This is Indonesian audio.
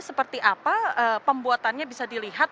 seperti apa pembuatannya bisa dilihat